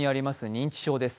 認知症です。